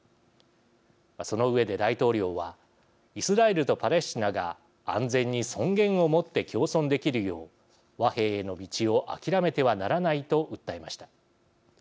その上で大統領はイスラエルとパレスチナが安全に尊厳をもって共存できるよう和平への道をあきらめてはならないと訴えました。